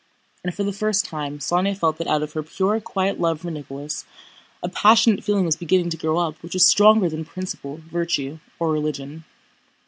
And for the first time Sónya felt that out of her pure, quiet love for Nicholas a passionate feeling was beginning to grow up which was stronger than principle, virtue, or religion.